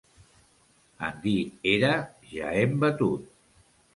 En dir era, ja hem batut.